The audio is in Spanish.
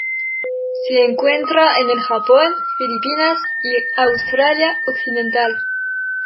Se encuentra en el Japón, Filipinas y Australia Occidental.